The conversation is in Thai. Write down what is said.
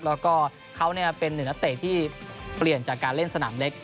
แล้วก็เขาเป็นหนึ่งนักเตะที่เปลี่ยนจากการเล่นสนามเล็ก